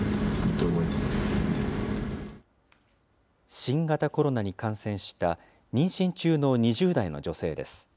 新型コロナに感染した妊娠中の２０代の女性です。